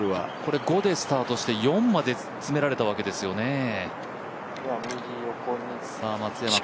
５でスタートして４まで詰められたわけですね。